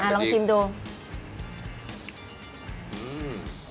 ลองชิมดู